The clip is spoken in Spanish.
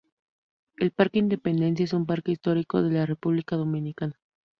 El parque Independencia es un parque histórico de la República Dominicana.